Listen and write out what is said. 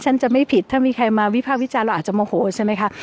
ฉันจะไม่ผิดถ้ามีใครมาวิภาควิจารณ์เราอาจจะโมโหใช่ไหมคะ